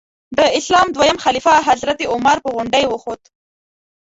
د اسلام دویم خلیفه حضرت عمر په غونډۍ وخوت.